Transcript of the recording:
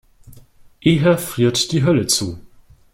Eher friert die Hölle zu.